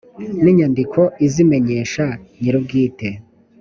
n inyandiko izimenyesha nyir ubwite